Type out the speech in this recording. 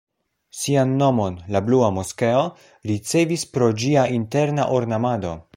Sian nomon la Blua moskeo ricevis pro ĝia interna ornamado.